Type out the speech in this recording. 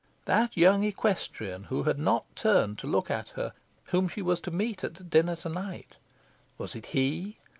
That young equestrian who had not turned to look at her; whom she was to meet at dinner to night... was it he?